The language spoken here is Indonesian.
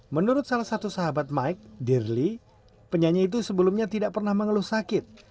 menurut salah satu sahabat mike dearly penyanyi itu sebelumnya tidak pernah mengeluh sakit